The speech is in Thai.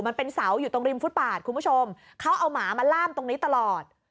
มันเป็นเสาอยู่ตรงริมฟุตปาดคุณผู้ชมเขาเอาหมามาล่ามตรงนี้ตลอด